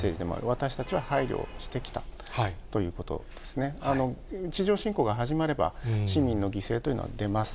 わたしたちは配慮してきたということ、地上侵攻が始まれば、市民の犠牲というのは出ます。